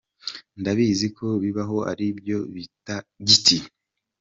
Ndabizi ko bibaho ari byo bita giti.